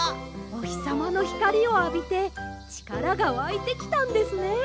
おひさまのひかりをあびてちからがわいてきたんですね。